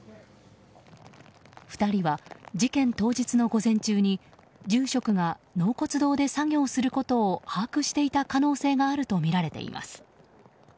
２人は事件当日の午前中に住職が納骨堂で作業することを把握していた可能性があるとみられています。